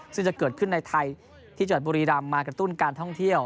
ซึ่งจะเกิดขึ้นในไทยที่จังหวัดบุรีรำมากระตุ้นการท่องเที่ยว